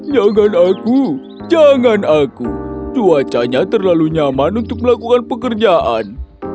jangan aku jangan aku cuacanya terlalu nyaman untuk melakukan pekerjaan